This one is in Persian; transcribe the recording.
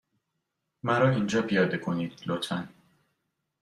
مرا اینجا پیاده کنید، لطفا.